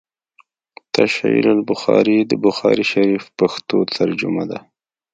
“ تشعيل البخاري” َد بخاري شريف پښتو ترجمه